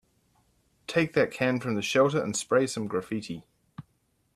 Take that can from the shelter and spray some graffiti.